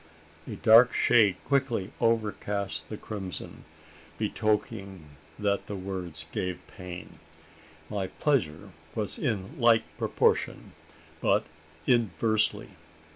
A dark shade quickly overcast the crimson, betokening that the words gave pain. My pleasure was in like proportion, but inversely.